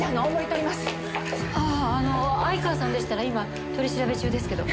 あの愛川さんでしたら今取り調べ中ですけど。